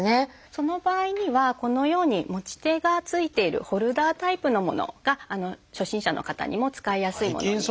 その場合にはこのように持ち手がついているホルダータイプのものが初心者の方にも使いやすいものになっています。